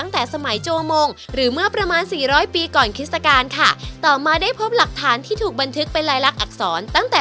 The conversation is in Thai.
ต้องมีไม้มันทัดวัดเลยนะฮะ